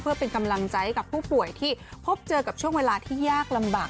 เพื่อเป็นกำลังใจให้กับผู้ป่วยที่พบเจอกับช่วงเวลาที่ยากลำบาก